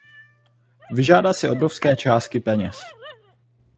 Vyžádá si obrovské částky peněz.